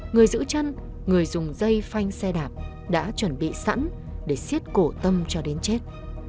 người giữ chân người dùng dây phanh xe đạp đã chuẩn bị sẵn để xiết cổ tâm cho đến chết